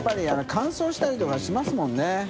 乾燥したりとかしますもんね。